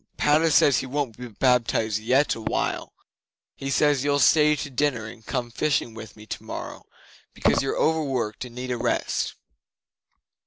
Padda says he won't be baptized yet awhile. He says you'll stay to dinner and come fishing with me tomorrow, because you're over worked and need a rest."